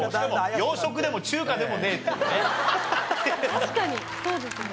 確かにそうですね。